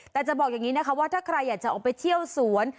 แต่จะบอกอย่างนี้นะคะว่าถ้าใครอยากจะออกไปเที่ยวสวน